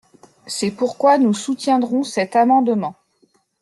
C’est pourquoi nous soutiendrons cet amendement.